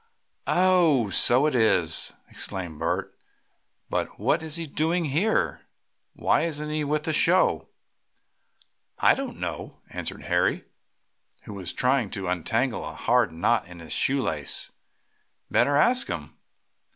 "Oh, so it is!" exclaimed Bert. "But what is he doing here? Why isn't he with the show?" "I don't know," answered Harry, who was trying to untangle a hard knot in his shoe lace. "Better ask him."